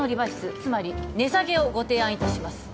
つまり値下げをご提案いたします